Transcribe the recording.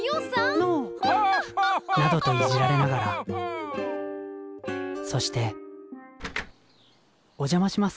ノー！などといじられながらそしておじゃまします。